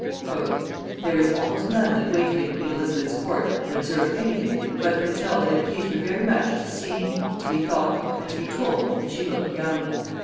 "There is almost none that waited in queen Elizabeth's court and observed any thing, but can tell that it pleased her very much to seem, to be thought, and to be told that she looked young.